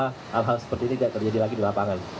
hal hal seperti ini tidak terjadi lagi di lapangan